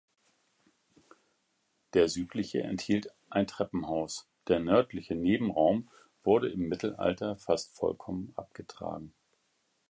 Der südliche enthielt ein Treppenhaus, der nördliche Nebenraum wurde im Mittelalter fast vollkommen abgetragen.